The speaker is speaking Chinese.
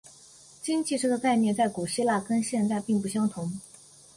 经济这个概念在古希腊跟现代并不相同。